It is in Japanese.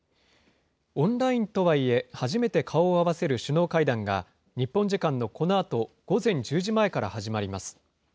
オンラインとはいえ、初めて顔を合わせる首脳会談が、日本時間のこのあと午前１０時前から始まります。